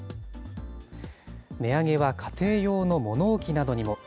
値上げは家庭用の物置などにも。